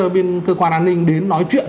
bên cơ quan an ninh đến nói chuyện